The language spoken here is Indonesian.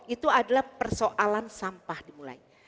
itu adalah persoalan sampah dimulai